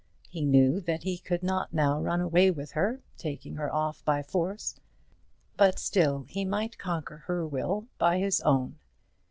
He knew that he could not now run away with her, taking her off by force; but still he might conquer her will by his own.